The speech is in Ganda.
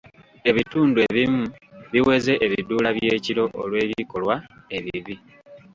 Ebitundu ebimu biweze ebiduula by'ekiro olw'ebikola ebibi.